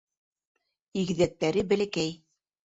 Игеҙәктәре бәләкәй.